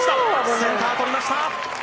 センター捕りました。